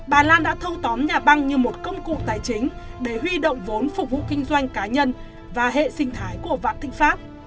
bà lan đã thâu tóm nhà băng như một công cụ tài chính để huy động vốn phục vụ kinh doanh cá nhân và hệ sinh thái của vạn thịnh pháp